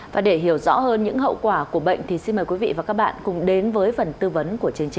và để hiểu rõ hơn những hậu quả của bệnh thì xin mời quý vị và các bạn cùng đến với phần tư vấn của chương trình